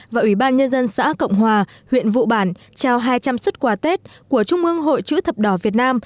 và ủy ban nhân dân xã cộng hòa huyện vụ bản trao hai trăm linh xuất quà tết của trung ương hội chữ thập đỏ việt nam